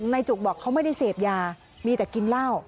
จุกบอกเขาไม่ได้เสพยามีแต่กินเหล้า